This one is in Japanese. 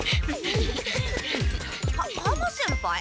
は浜先輩！？